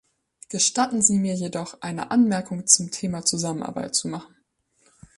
Gestatten Sie mir jedoch, eine Anmerkung zum Thema Zusammenarbeit zu machen.